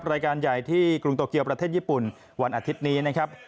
รายการใหญ่ที่กรุงโตเกียวประเทศญี่ปุ่นวันอาทิตย์นี้นะครับ